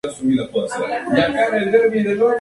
Es una caricatura en movimiento.